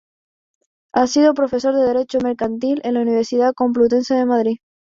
Ha sido profesor de Derecho Mercantil en la Universidad Complutense de Madrid.